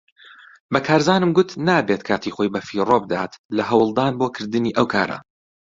بە کارزانم گوت نابێت کاتی خۆی بەفیڕۆ بدات لە هەوڵدان بۆ کردنی ئەو کارە.